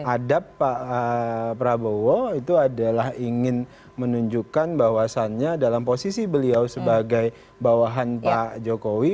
adab pak prabowo itu adalah ingin menunjukkan bahwasannya dalam posisi beliau sebagai bawahan pak jokowi